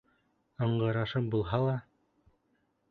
Ыңғырашып булһа ла.